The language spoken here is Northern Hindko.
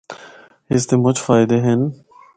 اس دی مُچ فائدے ہن۔